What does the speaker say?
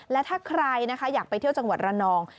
และถ้าใครนะคะอยากไปเที่ยวจังหวัดระนอง